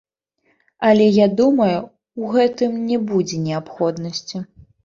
Але я думаю, ў гэтым не будзе неабходнасці.